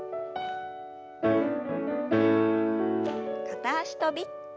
片脚跳び。